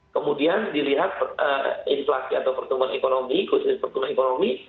kemudian dilihat inflasi atau pertumbuhan ekonomi khususnya pertumbuhan ekonomi